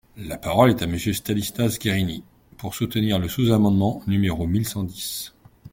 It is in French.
La parole est à Monsieur Stanislas Guerini, pour soutenir le sous-amendement numéro mille cent dix.